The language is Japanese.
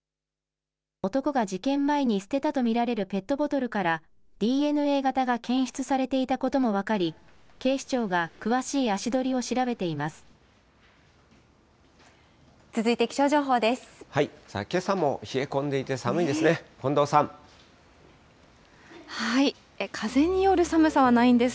男が事件前に捨てたと見られるペットボトルから、ＤＮＡ型が検出されていたことも分かり、警視庁が詳しい足取りを調べています。